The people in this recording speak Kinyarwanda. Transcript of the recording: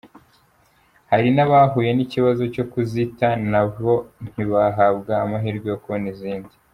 Hari n’abahuye n’ikibazo cyo kuzita nabo ntibahabwa amahirwe yo kubona izindi.